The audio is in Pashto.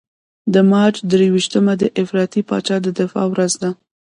د مارچ درویشتمه د افراطي پاچا د دفاع ورځ ده.